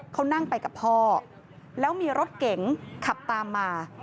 เขานั่งไปกับพ่อแล้วมีรถเก๋งขับตามมา